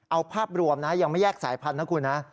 เอาภาพรวมนะยังไม่แยกสายพันธุนะคุณนะ